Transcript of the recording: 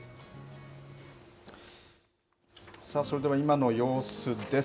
それでは今の様子です。